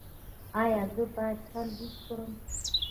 ایا زه باید سر لوڅ کړم؟